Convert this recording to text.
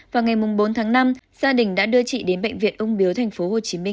vào ngày bốn tháng năm gia đình đã đưa chị đến bệnh viện ung biếu tp hcm